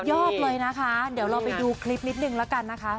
ยอดเลยนะคะเดี๋ยวเราไปดูคลิปนิดนึงแล้วกันนะคะ